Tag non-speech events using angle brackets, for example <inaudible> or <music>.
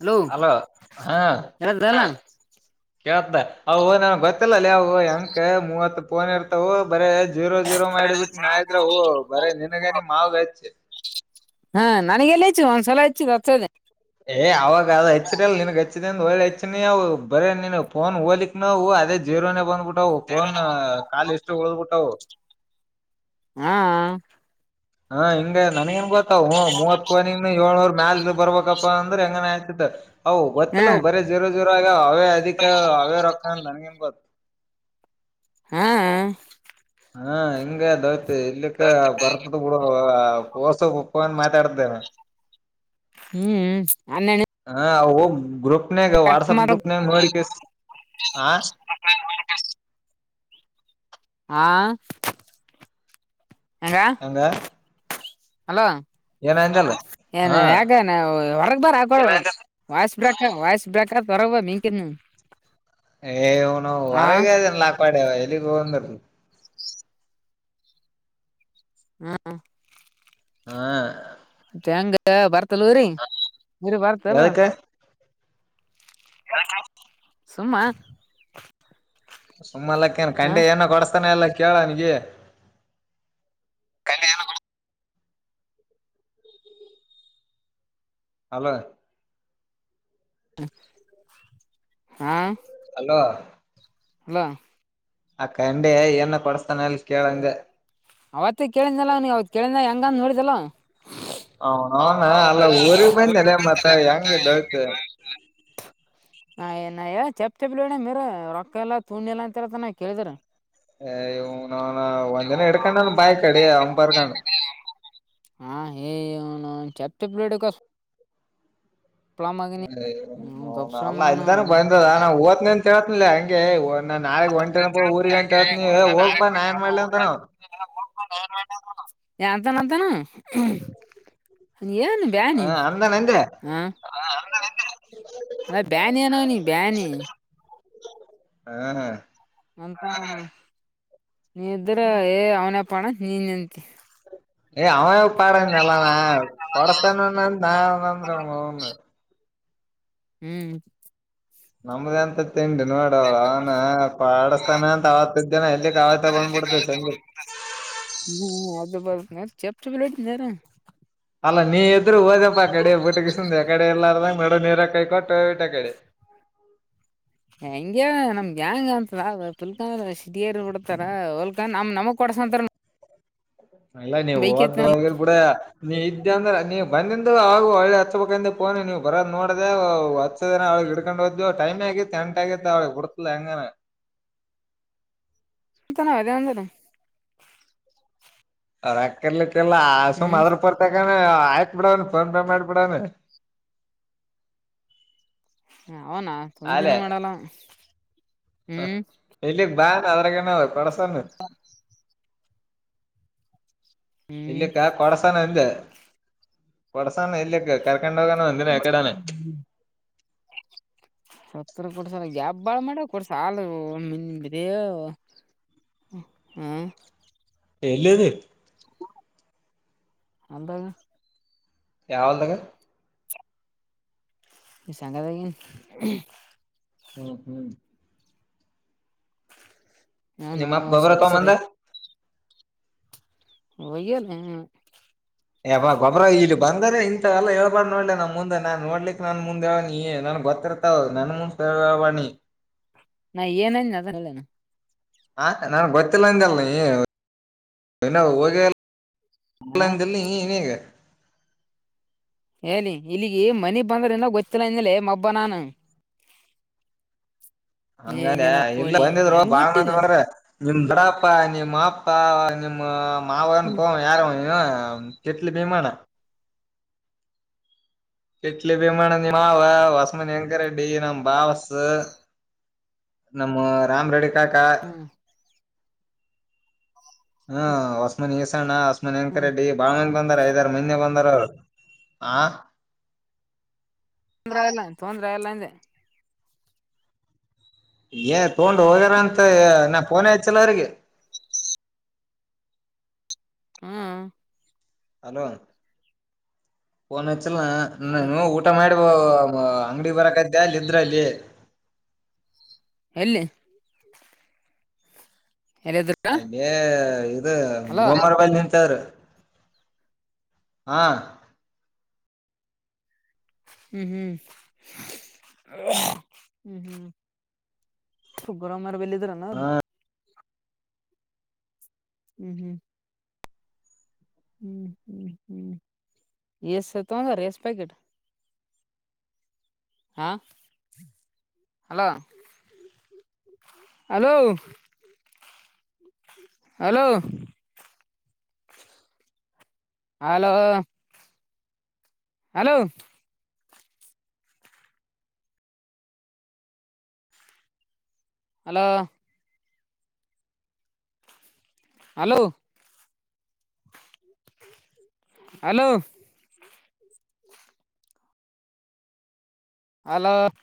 Hello hello ಹೇಳದ್ರ ಇಲ್ಲ. ಕೇಳ್ತ ಅವು ನನ್ಗ ಗೊತ್ತಿಲ್ಲಲೆ ಅವು ಹೆಂಕ ಮೂವತ್ ಪೋನ್ ಇರ್ತಾವು ಬರೆ ಜೀರೋ ಜೀರೋ ಮಾಡಿ ಬಿಟ್ಟ ನಾ ಇತ್ರಾಗ್ ಹೋಗು ಬರೆ ನಿನಗ ನಿಮ್ ಮಾವಗ ಹಚ್ ಹಾ ನನಗೆಲ್ಲ ಹಚ್ಚಿದೀ ಒಂದ್ಸಲ ಹಚ್ಚಿದೀ ಏ ಅವಾಗ ಅದು ಹೆಚ್ಚಿದೆಲ್ಲ ನಿನ್ಗ್ ಹಚ್ಚ ಹೆಚ್ಚ ನೀವು ಬರ ನೀನು ಫೋನ್ ಹೋಲಿಕ್ ನಾವು ಅದೇ ಜೀರೋನೇ ಬಂದ್ಬಿಟ್ಟು <unintelligible> ಟ್ಟವು ಫೋನ್ ಕಾಲ ಎಷ್ಟು ಉಳದ್ಬ ಬಿಟ್ಟವು ಹಾ <unintelligible> ಹಾ ಹಿಂಗ ನನ್ಗೇನ್ ಗೊತ್ತ ಮೂವತ್ ಪೋನಿಂಗ ಏಳ್ನವರ್ ಮ್ಯಾಲ ಬರ್ಬೇಕಪ್ಪಾ ಅಂದ್ರೆ ಹೆಂಗನ್ ಆಚತೆ <unintelligible> <unintelligible> ಹ ಹಾ ಗೊತ್ತಿಲ್ಲವು ಬರೀ ಜೋರ ಜೋರಗ ಅವೇ ಅದಿಕ ಅವೇ ರೊಕ್ಕ ಅಂತ ನನ್ಗೇನ್ ಗೊತ್ತು ಹಾ <unintelligible> ಹಾ ಹಿಂಗ ಅದಐತಿ ಇಲ್ಲಿಕ್ಕ ಬರ್ತದ ಬಿಡ <unintelligible> <unintelligible> ಪ್ಪ ಒಂದು ಮಾತಾಡ್ತಾವೇ ಹ್ಮ್ ಅನ್ನಣ <unintelligible> ಹಾ ಗ್ರೂಪ್ ವಾಟ್ಸ್ಪ್ ಗ್ರೂಪ್ ಮಾಡ ಹ <unintelligible> ಹಾ <unintelligible> ಹಂಗ ಹಾ ಏನೇ ಯಾಗ ಹೊರ <unintelligible> ಬಕ ವಾಯ್ಸ್ ಬ್ರೇಕ ವಾಯ್ಸ್ ಬ್ರೇಕ ಬರಬ ಮೀಕ <unintelligible> ಏ್ನು ಹೊರಗೆ ಅದನ್ ಲಾಕ್ಪಾಡ್ಯವ ಎಲ್ಲಿಗ್ ಬಂದ್ರ ಹಾ <unintelligible> ಹಾ <unintelligible> <inaudible> ಹೆಂಗ ಬರ್ತಲ್ ರಿ ಇರಿ ಬರ್ತಲ್ವ ಎದಕ್ಕ ಸುಮ್ಮ <unintelligible> ಸುಮ್ಮಲ್ಲಕ್ಕೇನ್ ಹ ಕಂಡೆ ಏನ ಕೊಡಸ್ತಾನ ಎಲ್ಲ ಕೇಳ ನಿ <unintelligible> ಕಲ್ಯಾಣ ಅಲ <unintelligible> ಹಾ ಅಲೋ <unintelligible> ಹಲೋ ಅಕ್ಕ ಅಂಡಿ ಏನ ಕೊಡಸ್ತಾನ ಅಲ್ ಕೇಳಂಗ ಅವತ್ತ ಕೇಳಿದಲ್ಲ ನೀ ಅವ ಕೇಳಿದ ಹೆಂಗಂದ ನೋಡಿದಲ್ಲವ <unintelligible> ಅವನವನ ಅಲ್ಲ ಊರಿಗ್ ಹ ಊರು ಬಂದಲ್ಲ ಮತ್ತ ಹೆಂಗ ದೋಸ್ತ್ ಹೆಂಗ ಹಏ ನ ಚಪ್ಪಪ್ ಚಪ್ಲಿಣ ಮೀರ ರೊಕ್ಕ ಎಲ್ಲ ತುಣಿ ಎಲ್ಲಾ ಅಂತತ ನ ಕೇಳಿದರ <unintelligible> <unintelligible> ನ ಒಂದೆನ ಎಡ್ಕ್ಣಾನು ಬಾಯ ಕಡೆ ಅವಂಬಾರ್ಕಾನು ಹಾ ಏನು ಚಪ್ಪಪಡಡು ಕಸ <unintelligible> ಹ್ಮ್ ಗಪ್ಸುಳ ಅಲ್ಲ ಮಗನ ಇಲ್ದಾನ ಅವನು ಬಂದದ ನಾ ವತ್ನ ಅಂತೇತನಿಲ್ಲ ಹಂಗೆ ಹ ನಾನ್ ನಾಳಗ್ ಒಂಟೆನಪ್ಪ ಊರ್ಗ ಅಂತ ಹೇಳ್ತ ನೀವ ಹೋಗ್ಪಾ ನಾ ಏನ್ ಮಾಡ್ಲ ಅಂತ ನಾವವು ಎಂತನಂತನು <unintelligible> ಏನು ಬ್ಯಾ ನೀ ಹ ಅಂದಾನ ಅಂದೆ <unintelligible> ಹ ಅಲ್ಲ ಬ್ಯಾನಿ ಅನೋ ನೀ ಬ್ಯಾನಿ <unintelligible> ಹಾ ಹಾ ಅಂತ ನೀ ಇದ್ರ ಏ ಅವನಪ್ಪ ಅಣ್ಣ ನೀ ನಿಂತಿ ಏ್ ಅವನ ಪಡನಲ್ಲ ನಾ ಪಡಸ್ತಾನ ನಾಂದ್ರ ಅವನು ಹ್ಮ್ ನಮ್ದ ಎಂತ ತಿಂಡಿ ನೋಡ ಅವಳ ಅವನ ಪಾಡಿಸಸ್ತಾನ ಅಂತ ಆತ್ತದ್ದೇನ ಎಲ್ಲಿ ಕಾಲತ ಬಂದ್ಬಡ್ತ ಚಂದ <unintelligible> ನ ಚೆಪ್ ಚೆಪ್ ಲೇಟ ಸಾರ ಅಲ್ಲಾ ನೀ ಎದುರು ಹೋದಪ್ಪ ಆ ಕಡೆ ಬುಟಗಂದೆ ಕಡೆ ಎಲ್ಲಾರದ ನೀರ ಕೈಕಟ್ಟಟ ಕಡೆ <unintelligible> ಹೆಂಗೆ ನಮ್ ಗ್ಯಾಂಗ್ <unintelligible> ಅಂತ ಹ ಪುಲ್ಕಾ ಸಿಡಿಯರು ಬಿಡ್ತಾರ ಹೊಲ್ಕಾ ನಮ್ ನಮಕ್ ಕೊಡ್ಸಂತಾರ <unintelligible> ಅಲ್ಲ ನೀವು ಬೈಕ್ ಹಓದ್ದವ ಕೂಡ ನೀ <unintelligible> ಇದ ಅಂದ್ರೆ ನೀವು ಬಂದಂದು ಹಾಗು ಹಳ್ಳಿ ಹಚ್ಬೇಕಂದೋನಿ ನೀವು ಬರ ನೋಡದೆ ಹಚ್ಚದಳಗ್ ಹಿಡ್ಕೊಂಡು ಟೈ ಆಗ ಎಂಟ ಆಗೈತ್ತ ಅವಳಿ ಕೊಡ್ತದ ಹೆಂಗ ಚನದಂತನೆ ಅವ ರಕ್ಕರ್ಲತ್ತ ಎಲ್ಲ ಆ ಸುಮ್ ಹ್ಮ್ ಮಾದ್ರ ಪರ್ತಕ್ಕ ಆಯ್ತ ಅಕ್ ಬಿಡು ಫೋನ್ ಪೇ ಮಾಡ ಬಿಡು ಅವನ ಟಿನೂ ಮಾಡಲ್ಲ ಹ್ಮ್ ಅದರ ಹ <inaudible> ಹ್ಮ್ ಇಲ್ಲಕ್ಕ ಕೊಡಸಾನ ಇಲ್ಲ ಕೊಡಸಾನ ಇಲ್ಲಕ್ಕ ಕರೆಕ್ ಎಂದಿನ ಕಡಾನ ಸತ್ತ ಕೊಡ್ಸಲ್ ಗ್ಯಾಬ್ ಬಾಳ ಮಾಡ ಕೊಡ್ಸಲ್ ಮನ್ ಬಿರ ಹ್ಮ ಎಲ್ಲಧಿ ಅಂತ ಯಾವಗಾ ಈ ಸಾಗದಾಗಿ ಹ್ಮ್ ಹ್ಮ್ ಇ ನಾನು ಮಾಪ ಬಬರ ತ ಅಂದ ಶಕ್ಸರ ಒಹೆನ ಯ ಗೊಬ್ಬರ ಇಲ್ಲಿ ಬಂದರೆ ಅಲ್ಲ ಹೇಳ್ಬಾಡ್ ನೋಡ್ಲಿ ನಮ ಮುಂದ ನಾನ್ ನೋಡ್ಲಿ ನನ್ ಮುಂದೆ ನನ್ ಗೊತ್ತಿರ್ತಾವ್ ನನ್ ಮುಂದ್ ಹೇಳ್ಬ ಹನ್ನ ನಾ ಏನೇನ್ ಅದರಲ್ಲೇನು ಹಾ ನನ್ ಗೊತ್ತಿಲ್ಲಂದ ಅಲ್ ನೀ ಹೋಗಿ ಆನ್ಲೈನ್ದಲ್ಲಿ ನೇಗೆ ಹೇಳಿ ಇಲ್ಲಿಗೆ ಮನಿ ಬಂದ್ರಿಂದ ಗೊತ್ತಿಲ್ಲ ಹಿಂದೇಲೆ ಮಬ್ಬ ನಾನು <unintelligible> ಏ ಹಂಗ ನಿನಗ್ ಇಲ್ಲ ಕೊಡಿ ಬಂದಿದ್ರು ಹೆಂಗ್ ಬಾೋಡ ಬಿಟ್ಟಿದಿ ನಿಮ್ ದೊಡ್ಡಪ್ಪ ನಿಮ್ಮ ಅಪ್ಪಾ ನಿಮ್ಮ ಮಾವಗಾನ ಪವ ಯಾರೋ ಕೆಟ್ಲಿ ಬೀಮಾನ ಕಟ್ಲಿ ಬಿಮಾನ ನೀ ಮಾವ ವಸಮನ್ಿ ಹೆಂಗ ರೆಡ್ಡಿ ನಮ್ಮ ಬಾವಸು ನಮ್ಮ ರಾಮ ರೆಡಿಿಕಾಕಾ ಹ್ಮ್ ಹ್ಮ ಹಸ್ಮಾನ್ ಈಸಣ್ಣ ಹಸ್ಮಾನ್ ಎನ್ಕ ಹ್ಮ್ ರೆಡ್ಡಿ ಬಾಳ ಮನ್ ಬಂದಾರಐದಾರ ನಿನ್ನೇ ಬಂದ್ರು ತೊಂದ್ರ ಇಲ್ಲ ತೊಂದ್ರ ಇಲ್ಲ ಅಂದೆ ಏ ತಗೊಂಡು ಹೋಗ್ಯಾರ ಅಂತ ನಾ ಪೋನ್ ಹೆಥಿಲಿಲಾ ಅವ್ರಿಗೆ ಹ್ಮ್ ಹಲೋ ನ ನಾನು ಅದಕ್ಕೆ ಊಟ ಮಾಡಿ ಅಂಗಡಿ ಬರಕೈದೇ ಅಲ್ಲ ಇದ್ರಲ್ಲಿ ಎಲ್ಲಿ ಎಲ್ಲಿದ್ರ ಅಲ್ಲಿಯ ಇ ಹಲೋ ಗರುಮರ ನಿಂತ್ರರು ಹಾ ಹ್ಮ್ ಹ್ಮ್ ಹ್ಮ್ ಹ್ಮ್ ಸುಬ್ಬರ ಮರ ಬೆಲ್ಲಿದರಣ ಅವ್ರು ಹ್ಮ್ ಹ್ಮ್ ಹ್ಮ್ ಹ್ಮ್ ಹ್ಮ್ ಎಷ್ಟ ತಂಗ ರ ಎಷ್ಟ ಪ್ಯಾಕೆಟ್ ಹಾ hello hello hello hello hello. Hello. Hello. Hello. Hello.